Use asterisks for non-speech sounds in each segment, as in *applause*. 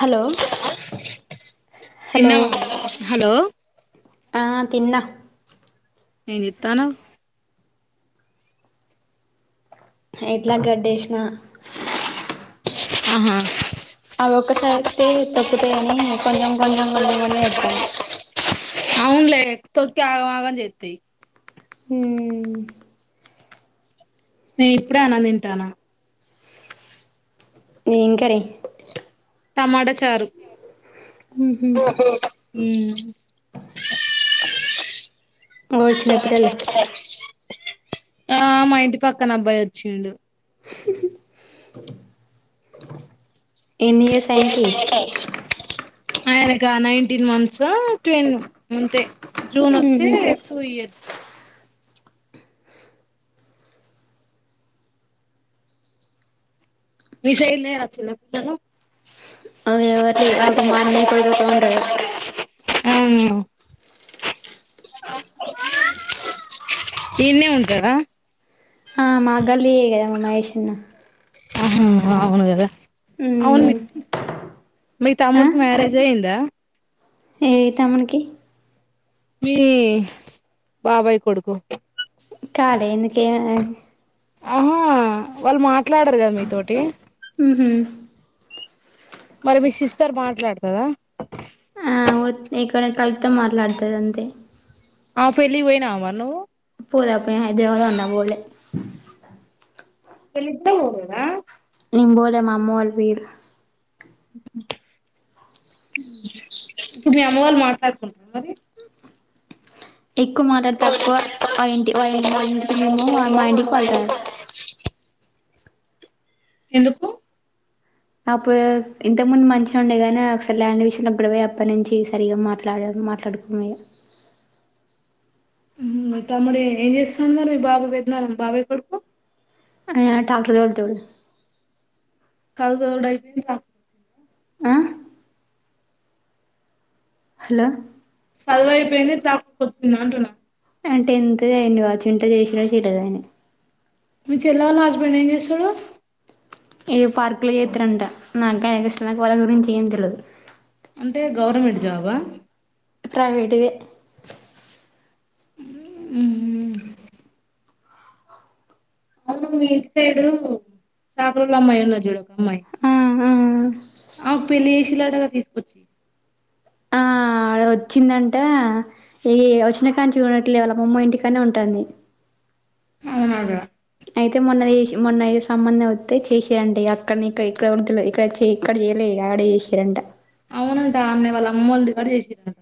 Hello hello తిన్నావా hello ఆఁ తిన్న. ఏం చేత్తన్నావ్? షెడ్ల గడ్డేసినా ఆహా అదొక్కసారేస్తే తొక్కుతాయని, కొంచెం కొంచెం, కొంచెం కొంచెం ఎత్తాన్న. అవునులే తొక్కి ఆగం ఆగం చెత్తాయ్. మ్ నే ఇప్పుడే అన్నం తింటాన. ఏం కర్రి టమాట చారు. ఓ చ్చ చిన్నపిల్లలు ఆ మా ఇంటి పక్కన అబ్బాయి వచ్చిండు. ఎన్ని ఇయర్స్ ఆయనకి ఆయనకా, నైన్టీన్ మంత్స్ ఆ ట్వెన్ ఉంతే. జూన్ ఒస్తే టూ ఇయర్స్. మీ సైడ్ లేరా చిన్నపిల్లలు ఎవ్వరు లే ఒక మా అన్నయ్య కొడుకు ఒక్కడే ఉంటాడు ఇగ ఈన్నే ఉంటాడ. ఆ మా గల్లియే కదా మహేష్ అన్న ఆహా అవును కద! మీ ఆ తమ్ముడికి మ్యారేజ్ అయ్యిందా? ఏ తమ్మునికి? మీ బాబాయి కొడుకు. కాలే ఎందుకే? ఆహా వాళ్ళు మాట్లాడరు కదా మీతోటి. మ్హు మరి మీ సిస్టర్ మాట్లాడతదా ఆ ఒ ఇక్కడ కలుపుతో మాట్లాడుతది అంతే. ఆ పెళ్లికి పోయినావా మరి నువ్వు? పోలే పోయినయి దేవదా అన్న పోలే. వీళ్లిద్దర్ పోలేదా? మేం పోలె మా అమ్మవాళ్ళు పోయిర్రు. మ్ ఇప్పుడు మీ అమ్మ వాళ్ళు మాట్లాడుకుంటార మరి ఎక్కువ మాటడ తక్కువ. వా ఇంటి వాళ్ ఇంమాల్ ఇంటికి మేము పోము. వా మా ఇంటికి వాళ్ళు రారు. ఎందుకు అప్పుడు, ఇంతకు ముందు మంచిగా ఉండే గానీ ఒకసారి ల్యాండ్ విషయంలో గొడవాయ అప్పటి నుంచి సరిగా మాట్లాడడు. మాట్లాడుకొము మ్ మీ తమ్ముడు ఎ ఏం చేస్తున్నాడు మరి మీ బాబాయ్ పెదనాన్న బాబాయ్ కొడుకు? యా ట్రాక్టర్ తోలుతుడు. కలు దోలుడు అయిపోయిందిరా? ఆ హలో చదువైపోయింది ట్రాక్టర్ తోలుతున్న అంటున్నా అంటే ఇంతగా ఏంది వాడు చింత చేసినడా చేయలేదా అని. మీ చెల్లి వాళ్ళ హస్బెండ్ ఏం చేస్తడు? ఏ పార్కులు చేత్తారంట. నాక్ గాని ఏం తెలుసు నాకు వాళ్ల గురించి ఏం తెల్వదు. అంటే గవర్నమెంట్ జాబా? ప్రైవేట్ దె మ్ అవును మీ ఇంటి సైడు చాకలోళ్ళ అమ్మాయి ఉన్నది చూడు ఒక అమ్మాయి ఆఆ అవ్ పెళ్లి ఏసిల్లటగా తీసుకొచ్చి ఆవిడ వచ్చిందంటే ఈ వచ్చినా కాంచి గూడా అట్లే వాళ్ళ అమ్మమ్మ ఇంటికాన్నే ఉంటాంది అవును అదే అయితే మొన్నదీశ్ మొన్న ఈ సంబంధం ఒత్తే చేసిరంట ఇగ అక్కడ్నే ఇక ఇక్కడ *unintelligible* ఇక్కడ చే ఇక్కడ జేయలే యాడే ఏశిరంట అవునంట ఆన్నె వాళ్ళ అమ్మోళి కాడ చేసిరన్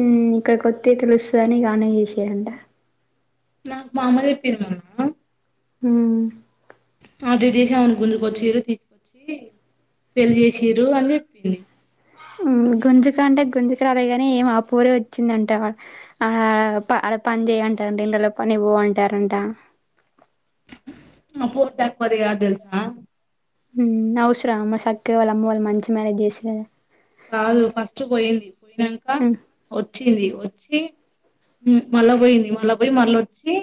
ఊ ఇక్కడికొత్తే తెలుస్సదని ఇగ ఆడ్నే చేసిరంట నాక్ మా అమ్మ చెప్పింది మొన్న హూ *unintelligible* గుంజుకొచ్చిరు *inaudible* పెళ్ళి చేసిర్రు అని చెప్పింది గుంజుకంటే గుంజుక రాలేగాని ఏమో ఆ పోరే ఒచ్చిందంట ఆ ఆప్ప ఆడ పని జయ్ అంటరంట ఇళ్లల్లో పని వో అంటరంట ఆ పోర్ తక్వదిగాద్ దెలుసా హ్మ్ అవసరం అమ్మ సక్కగా వాళ్ళ అమ్మ వాళ్ళు మంచి మ్యారేజ్ జేస్సే కాదు ఫస్ట్ బొయింది పోయినంక ఒచ్చింది ఒచ్చి మళ్ళా బోయింది మళ్ళా బొయి మళ్ళ ఒచ్చి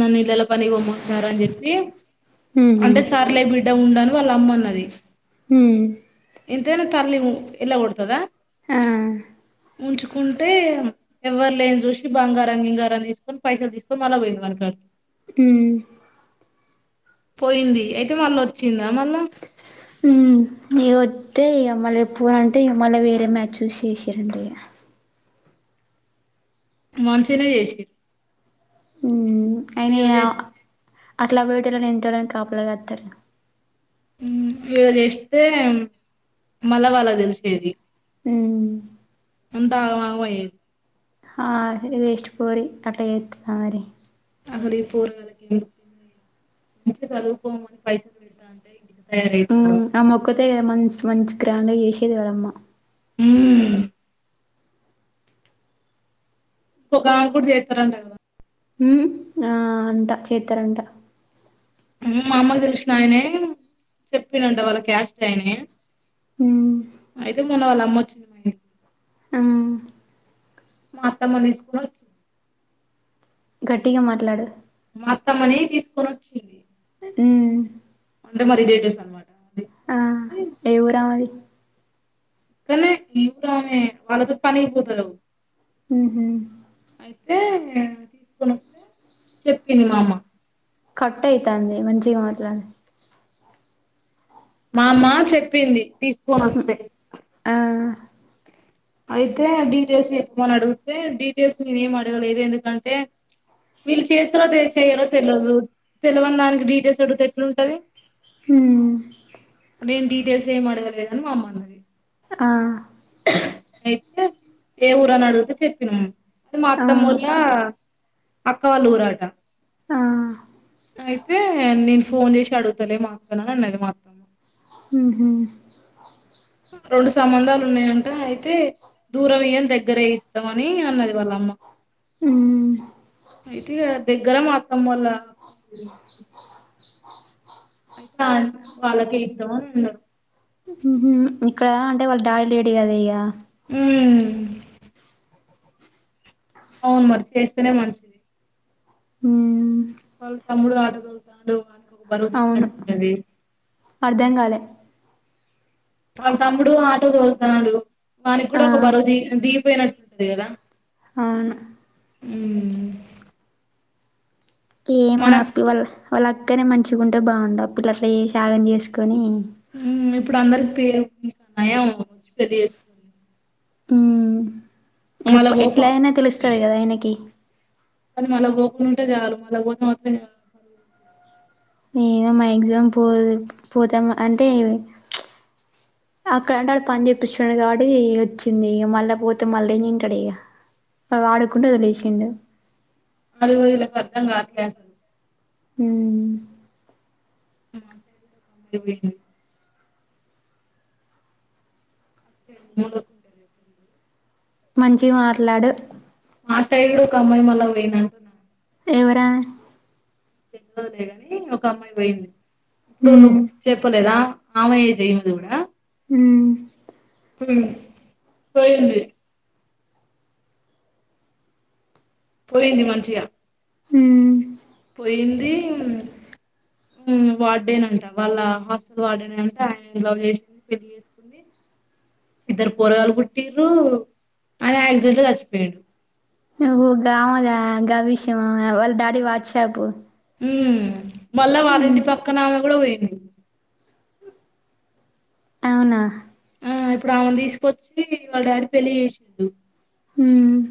నన్ను ఇళ్లల పనికి పొమ్మంటార్రు అని చెప్పి కదా అంటే సర్లే బిడ్డ ఉండు అని వాళ్ళ అమ్మన్నది హూ ఎంతైనా తల్లి ఉ ఎల్లగొడతదా ఆ ఉంచుకుంటే ఎవ్వరు లేంది చూసి బంగారం గింగారం తీసుకొని పైసలు తీసుకొని మళ్ళ వోయింది వాళ్ళ కాడికి ఊహ్ పోయింది అయితే మళ్ళొచ్చి ఊ ఇగొ త్తే ఇగ మళ్ళ పోనంటే ఇగ మళ్ళ వేరే మ్యాచ్ చూసేసిరంట ఇగ మంచిగనే చేసిర్రు ఉమ్ ఆయన ఈరోజే అట్లా పోయేటోళ్ళని ఎన్ రోల్లని కాపలా గాత్తరు హూ ఇగ దెస్తే మళ్ళా వాళ్ళకి తెలిసిపోయేది ఊ అంతా ఆగమాగం అయ్యేది ఆ వేస్ట్ పోరి అట్లా జేత్తదా మరి అసల్ ఈ పోరగాలకి ఎందు *inaudible* మంచిగా చదువుకోమని పైసలు వెడతాన్ *inaudible* గిట్ట తయారైనారు తే మన్స్ మంచి గ్రాండ్ గ చేసేది వాళ్ళమ్మ ఊమ్ కొకామె గూడ జేత్తరంట గదా ఉ ఆ అంట చేత్తరంట మా అమ్మ తెలిసిన ఆయనే చెప్పిండంట వాళ్ళ క్యాస్ట్ ఆయనే ఉమ్ అయితే మొన్న వాళ్ళ అమ్మొచ్చి *inaudible* ఆ మా అత్తమ్మన్ ఈసుకోనొచ్చింది గట్టిగా మాట్లాడు మా అత్తమ్మనీ తీసుకొనొచ్చింది ఊ అంటే మా రిలేటివ్స్ అన్మాట ఆ *inaudible* ఏ ఊరు ఆమెది ఇక్కన్నే ఈ ఊరామె వాళ్ళతో పనైపోతలేవ్ ఉహు అయితే తీసుకోనెస్తే చెప్పింది మామ్మ కట్ అయితాంది మంచిగా మాట్లాడు. మామ్మ చెప్పింది తీసుకొని వస్తే ఆ అయితే డీటెయిల్స్ చెప్పమని అడిగితే డీటెయిల్స్ నేనేం అడగలేదు ఎందుకంటే వీళ్ళు చేస్తారో తె చేయ్రో తెలియదు తెలివని దానికి డీటెయిల్స్ అడితే ఎట్లుంటది. హుమ్ నేను డీటెయిల్స్ ఏమి అడగలేదని మా అమ్మ అన్నది. ఆ అయితే ఏ ఊరని అడిగితే చెప్పినం మా ఆ అత్తమ్మోల్ల అక్కవాల్లూరట. ఆ అయితే నేను ఫోన్ జేసి అడుగుతలే మాక్కను అని అన్నది మా అత్తమ్మ. ఊహు. రెండు సంబంధాలు ఉన్నాయంట అయితే దూరం ఇయ్యను దగ్గరే ఇత్తం అని అన్నది వాళ్ళమ్మ. ఉ అయితే ఇగ దగ్గర మా అత్తమోల్ల బందువులు *inaudible* అయితే ఆయన వాళ్ళకే ఇత్తమని అని అన్నరు. ఊహూ ఇక్కడ అంటే వాళ్ డాడీ లేడు కద ఇగ. ఊ అవును మరి చేస్తేనే మంచిది. హ్మ్ వాళ్ళు తమ్ముడు ఆటో తోల్తాండు వాడికి ఒక బరువు అవును దిగినట్టు ఉంటది. అర్ధం కాలే వాల్తమ్ముడు ఆటో తోల్తాండు. వానికి ఆ కూడా ఒక బరువు దిగి దీగిపోయినట్టుంటది కదా. అవును. ఉమ్. ఏ మా మన అత్తయ్య వాళ్ళ వాళ్ళ అక్కనే మంచిగుంటే బాగుండు అప్పుట్లో అట్ల చేసి ఆగం చేసుకొని. ఇప్పుడు అందరి పేరు *inaudible* నయం పెళ్లి చేసుకుని *inaudible* ఉమ్ ఎప్ పోకు ఎట్లా అయినా తెలుస్తది కదా ఆయనకి. కానీ మళ్ళ పోకుండా ఉంటే చాలు మళ్ళా పోతే మాత్రం పరువుతీస్తది. ఏమో మాక్సిమం పోదు పోతే మా అంటే ప్చ్ అక్కడ అంటే ఆడు పని చేపిస్తుండు కాబట్టి వచ్చింది మళ్ళా పోతే మళ్ళా ఏం తింటాడు ఇగ. వాడుకొండు ఒదిలేసిండు. అదే వీళ్ళకు అర్ధం కావట్లే అసలు. ఉమ్. ఆ సైడు కుడా ఒక అమ్మాయి పొయ్యింది. తే *inaudible* జేసిల్లు మంచిగ్ మాట్లాడు. మా సైడ్ ఒక అమ్మాయి మళ్ళ పోయింది. అంటున్నారు. ఎవరామే? తెలుగొల్లెే కానీ ఒక అమ్మాయి పొయ్యింది, అప్పుడు ఉమ్ నువ్ చెప్పలేదా? ఆమె ఏజ్ ఈమిది కూడా. ఉమ్. పొయ్ పోయింది. పొయింది మంచిగా ఉమ్ పొయింది. ఉమ్ వార్డెన్ అంటా వాళ్ళ హాస్టల్ వార్డెనే అంట ఆయనని లవ్ చేసింది పెళ్లి చేసుకు ఉంది. ఇద్దరు పొరగాలు పుట్టిర్రు ఆయన యాక్సిడెంట్లో సచ్చిపోయిండు. ఓహో గావదా గా విశ్యమా వాళ్ డాడీ ది వాచ్ షాపు. ఉమ్ మళ్ళా వాలింటి పక్కనామె కూడా పోయింది. అవ్నా. ఆ ఇప్పుడు ఆమెను తీసుకొచ్చి వాళ్ డాడీ పెళ్ళి చేసిండు. హుమ్.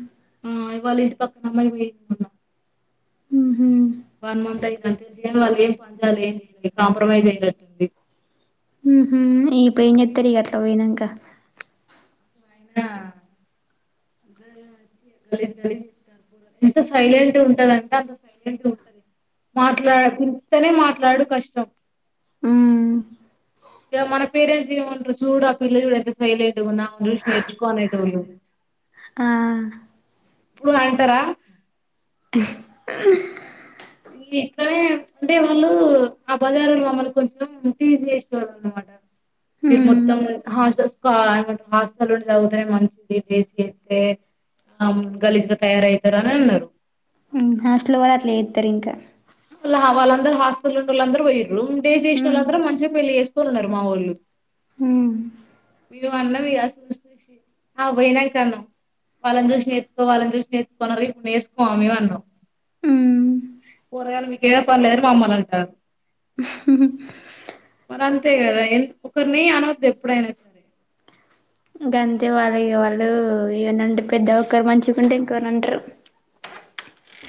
మాయి వాళ ఇంటి పక్కన్ అమ్మాయి పోయింది. మళ్ళ. ఉహ్ హు వన్ మంత్ అయితంది గని. తెలిసి వాళ్ళు ఏం పంచాయితీ ఏం చేయాలే, కాంప్రమైజ్ అయినట్టుంది. ఉహు ఇగిప్పుడు ఏం జెత్తరు ఇగ అట్లా పోయినంక. ఇద్దరూ మంచిగా ఆ గలీజ్ గలీజ్ ఉంటారు. ఎంత సైలెంట్ ఉంటదంటె, అంత సైలెంట్ ఉంటది. మాట్లా ఇంతనే మాట్లాడు కష్టం. ఉమ్ ఇగ మన పేరెంట్స్ ఏమంట్రు. సూడు ఆ పిల్ల చూడ ఎంత సైలట్ ఉందో ఆమెన్ చూష్ నర్చుకోనేటోళ్ళు. ఆఆ ప్పుడు అంటారా. క ఈ ఇట్లనే అంటే వాళ్ళు, ఆ బజారులో మమ్మల్ని కొంచెం, టీజ్ చేసెటోల్లనమాట్ మీరు ఉమ్ మొత్తం హాస్టల్స్ స్కో హాస్టలుండి చదువుతరెమో మీ *inaudible* తం గలీజ్గా తయారవుతారాని అన్నారు. హాస్టల్ పోయే అట్లా చేస్తారు ఇంకా. వాళ్ళందర హస్టల్ ఉన్నోళ్ళందరుూ, పోయ్యిర్రు. డేస్ ఉమ్ చేసినళ్ళందరు మంచిగా పెళ్లి చేస్ కున్నారు. మావోళ్ళు ఉమ్ మీవాన్నాం. ఇగ చూస్ చూసి ఆమ్ పోయినంకన్నం వాళ్లన్ చూసి నేర్చుకో, వాళ్లన్ చూసి నేర్చుకో అన్నారు గా. ఇప్పుడు నేర్స్కోవా మిం అన్నాం. ఉమ్ పోరగల్ మీకు ఏం పన్లేదనీ మామ్మల్ని అంటార్. హ మరి అంతే కదా. ఎంద్ ఒకర్ని అన్నోద్దు ఎప్పుడైనా. సరే గంతే మరి ఇగ వాళ్ళు ఏమనంటే, పెద్ద ఒకరు మంచిగుంటే ఇంకోర్నానంట్రు.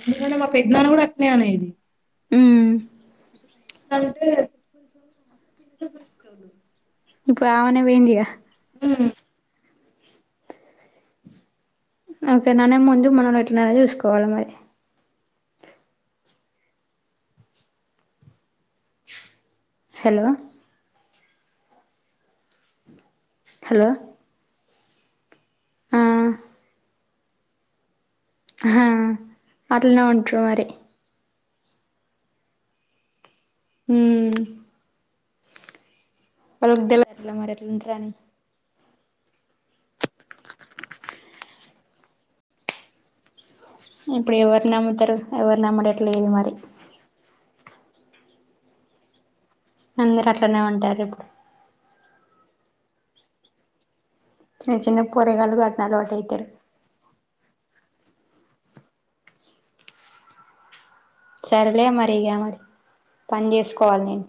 ఎందుకంటే, మా పెద్నాన్న కూడా అట్నే అనేది. ఉమ్ ఎట్లా అంటే సింపుల్ *inaudible* మస్తు ఫీలయితారు. ఇప్పుడ్ అవనే బోయిందిగా ఉమ్ ఓకర్ననే ముందు మనమెట్లునాదనేది చూసుకోవాలి మరి. హలో హలో ఆ ఆహా అట్లానే ఉంట్రు మరి. ఉమ్ వాళ్లకు దేల్వదుగా మరట్లుంట్రని ఇప్పుడు ఎవరిని నమ్ముతారు ఎవరినమ్మడట్లేదు మరి. అందరు అట్లనే ఉంటారిప్పుడు. చిన్న చిన్న పోరగాలు గూడ్ అట్నే అలవాటైతరు. సరేలే మరిగా మరి పని చేసుకోవాలి నేను.